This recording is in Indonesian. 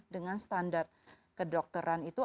dengan standar kedokteran itu